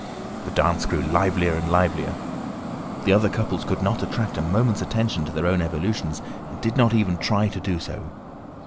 The dance grew livelier and livelier. The other couples could not attract a moment's attention to their own evolutions and did not even try to do so.